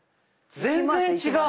全然違う！